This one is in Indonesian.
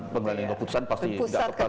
penggalian keputusan pasti tidak kebati